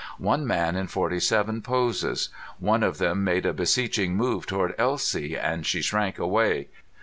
One man in forty seven poses. One of them made a beseeching move toward Elsie and she shrank away.